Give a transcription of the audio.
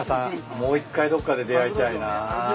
もう一回どっかで出会いたいな。